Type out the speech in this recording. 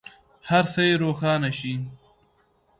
هر څه یې روښانه شي.